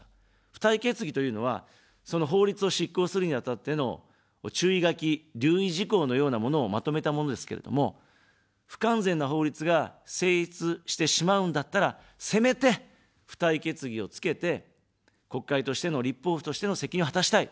付帯決議というのは、その法律を執行するにあたっての注意書き、留意事項のようなものをまとめたものですけれども、不完全な法律が成立してしまうんだったら、せめて付帯決議をつけて、国会としての、立法府としての責任を果たしたい。